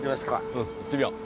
うん行ってみよう。